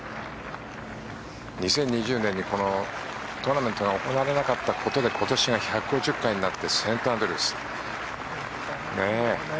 ２０２０年にこのトーナメントが行われなかったことで今年が１５０回になってセントアンドリュース。